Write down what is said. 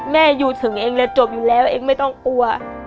แม่อยู่ถึงเองเลยจบอยู่แล้วเองไม่ต้องกลัว